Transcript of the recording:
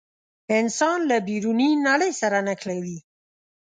انسان له بیروني نړۍ سره نښلوي.